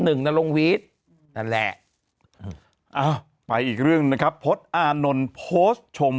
หนึ่งณลงวีสนั่นแหละไปอีกเรื่องนะครับพจอานนท์โพสต์ชม